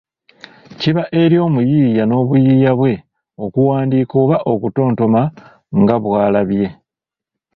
Kiba eri omuyiiya n’obuyiiya bwe okuwandiika oba okutontoma nga bw’alabye.